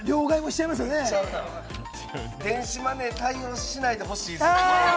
電子マネー対応しないでほしいですね。